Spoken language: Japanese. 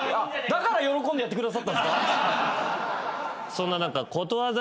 そんな中。